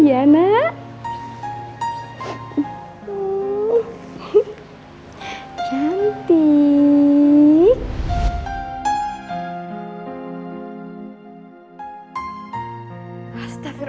dan marah marahin saya terus